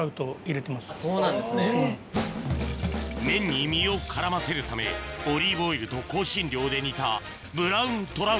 麺に身を絡ませるためオリーブオイルと香辛料で煮たブラウント